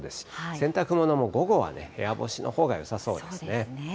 洗濯物も午後はね、部屋干しのほうがよさそうですね。